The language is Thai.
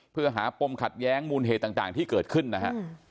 เพื่อหาปมขัดแย้งมูลเหตุต่างที่เกิดขึ้นนะฮะ